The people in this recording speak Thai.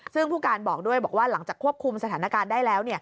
ซึ่งผู้การบอกด้วยบอกว่าหลังจากควบคุมสถานการณ์ได้แล้ว